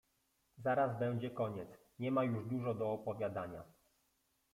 Zaraz będzie koniec… nie ma już dużo do opowiadania.